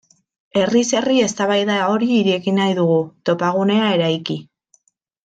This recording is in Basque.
Herriz herri eztabaida hori ireki nahi dugu, topagunea eraiki.